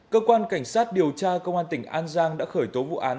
cơ quan cảnh sát điều tra công an tỉnh an giang đã khởi tố vụ án